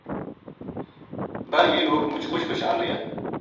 بر یہ لوک مُچ خوش خُشحال رہیا۔